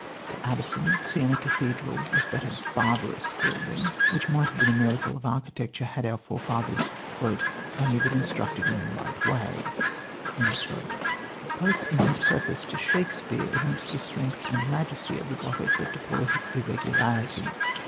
To Addison, Siena Cathedral was but a "barbarous" building, which might have been a miracle of architecture, had our forefathers "only been instructed in the right way." Pope in his Preface to Shakespeare admits the strength and majesty of the Gothic, but deplores its irregularity.